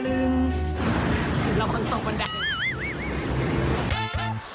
แล้วคนสูงคนได้